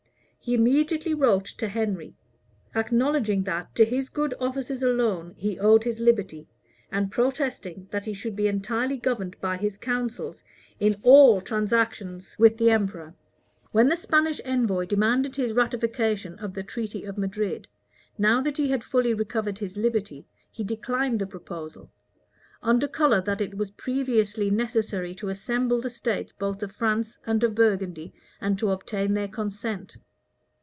He immediately wrote to Henry; acknowledging that to his good offices alone he owed his liberty, and protesting that he should be entirely governed by his counsels in all transactions with the emperor. When the Spanish envoy demanded his ratification of the treaty of Madrid, now that he had fully recovered his liberty, he declined the proposal; under color that it was previously necessary to assemble the states both of France and of Burgundy, and to obtain their consent.